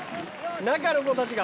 中の子たちが。